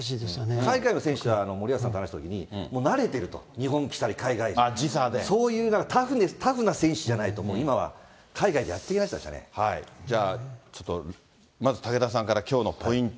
海外の選手は森保さんと話したときに、もう慣れてると、そういうタフな選手じゃないと、もう今は、海外でやっていけないじゃあ、ちょっと、まず武田さんから、きょうのポイント。